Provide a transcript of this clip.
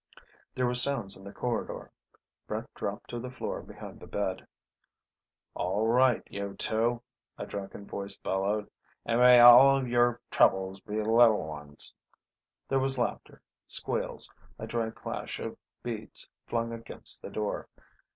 There were sounds in the corridor. Brett dropped to the floor behind the bed. "All right, you two," a drunken voice bellowed. "And may all your troubles be little ones." There was laughter, squeals, a dry clash of beads flung against the door.